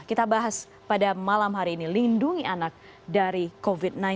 kita bahas pada malam hari ini lindungi anak dari covid sembilan belas